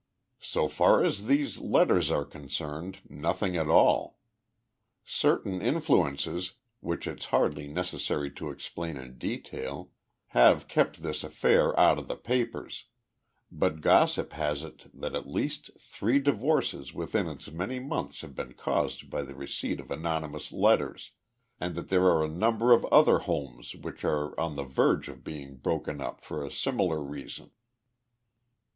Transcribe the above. "So far as these letters are concerned, nothing at all. Certain influences, which it's hardly necessary to explain in detail, have kept this affair out of the papers but gossip has it that at least three divorces within as many months have been caused by the receipt of anonymous letters, and that there are a number of other homes which are on the verge of being broken up for a similar reason."